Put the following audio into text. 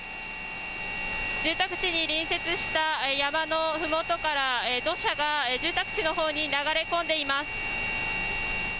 住宅地に隣接した山のふもとから土砂が住宅地のほうに流れ込んでいます。